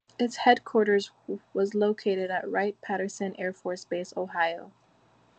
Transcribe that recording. Its headquarters was located at Wright-Patterson Air Force Base, Ohio.